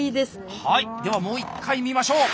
はいではもう一回見ましょう！